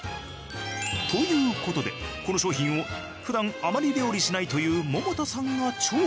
という事でこの商品を普段あまり料理しないという百田さんが調理。